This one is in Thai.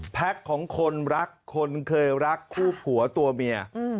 แพ็คของคนรักคนเคยรักคู่ผัวตัวเมีย